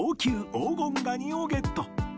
黄金蟹をゲット